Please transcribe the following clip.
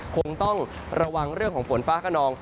คงต้องระวังเรื่องของฝนฟ้าขนอง